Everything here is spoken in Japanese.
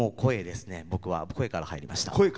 僕は声から入りました。